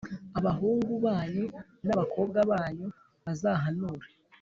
Abahungu banyu n’abakobwa banyu bazahanure,